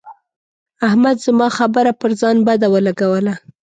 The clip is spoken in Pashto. احمد زما خبره پر ځان بده ولګوله.